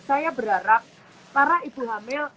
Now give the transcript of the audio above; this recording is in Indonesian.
saya berharap para ibu hamil